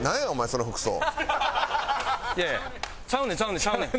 いやいやちゃうねんちゃうねんちゃうねん。